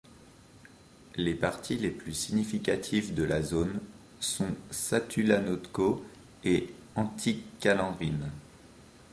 Les parties les plus significatives de la zone sont Satulanotko et Antikkalanrinne.